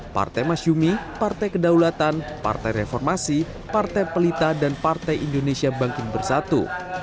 partai masyumi partai kedaulatan partai reformasi partai pelita dan partai indonesia bangkit bersatu